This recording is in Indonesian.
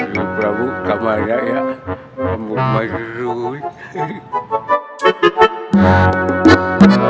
selasi selasi bangun